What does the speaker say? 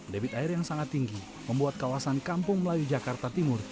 debit air yang sangat tinggi membuat kawasan kampung melayu jakarta timur